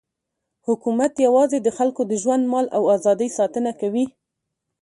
حکومت یوازې د خلکو د ژوند، مال او ازادۍ ساتنه کوي.